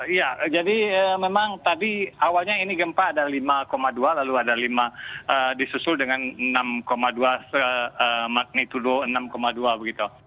iya jadi memang tadi awalnya ini gempa ada lima dua lalu ada lima disusul dengan enam dua magnitudo enam dua begitu